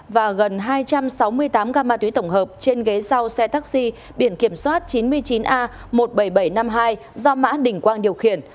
và gần hai trăm sáu mươi tám gam ma túy tổng hợp trên ghế sau xe taxi biển kiểm soát chín mươi chín a một mươi bảy nghìn bảy trăm năm mươi hai do mã đình quang điều khiển